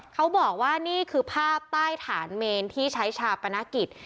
เขาบอกว่านี่คือภาพใต้ฐานเมนที่ใช้ชาปนกิจ